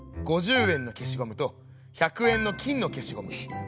５０円のけしゴムと１００円の金のけしゴム。